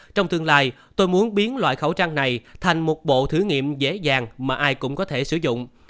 trong tương lai tôi muốn biến loại khẩu trang này thành một bộ thử nghiệm dễ dàng mà ai cũng có thể sử dụng